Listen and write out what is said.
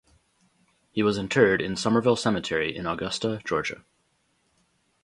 He was interred in Summerville Cemetery in Augusta, Georgia.